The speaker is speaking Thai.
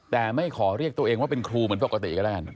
แต่ไม่ขอเรียกตัวเองว่าเป็นครูเหมือนปกติก็แล้วกัน